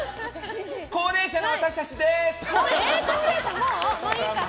高齢者の私たちです！